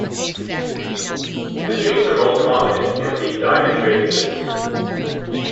The Jains are most prominent in the diamond trading business.